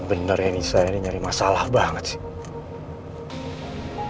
bener ya nisa ini nyari masalah banget sih